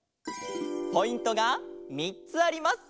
ポイントが３つあります。